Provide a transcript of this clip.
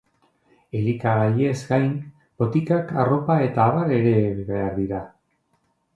Elikagaiez gain, botikak, arropa eta abar ere behar dira.